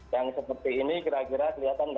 yang seperti ini kira kira kelihatan tidak ada